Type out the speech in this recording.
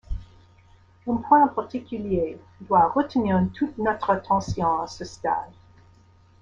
Un point particulier doit retenir toute notre attention à ce stade.